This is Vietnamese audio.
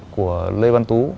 của lê văn tú